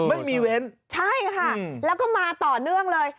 ไม่มีเว้นใช่ค่ะแล้วก็มาต่อเนื่องเลย